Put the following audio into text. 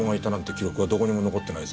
記録はどこにも残ってないぞ。